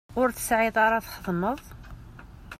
Ur tesεiḍ ara txedmeḍ?